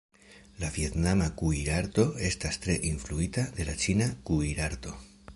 La vjetnama kuirarto estas tre influita de la ĉina kuirarto.